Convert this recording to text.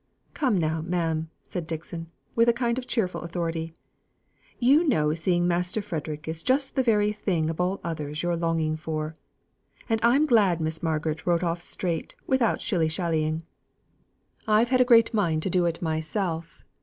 "Come now, ma'am," said Dixon, with a kind of cheerful authority, "you know seeing Master Frederick is just the very thing of all others you're longing for. And I'm glad Miss Margaret wrote off straight, without shilly shallying. I've had a great mind to do it myself.